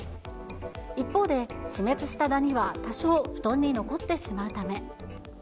一方で、死滅したダニは多少布団に残ってしまうため。